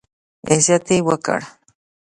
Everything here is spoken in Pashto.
عزت یې وکړ.